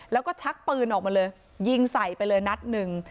แล้วก็ชักปืนออกมาเลยยิงใส่ไปเลยนัดหนึ่ง